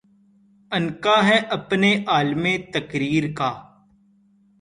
عنقا ہے اپنے عالَمِ تقریر کا